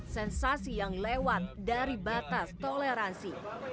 sensasi yang lewat dari batas toleransi